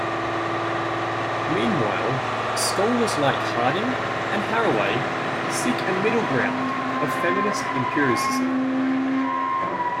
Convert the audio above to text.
Meanwhile, scholars like Harding and Haraway seek a middle ground of feminist empiricism.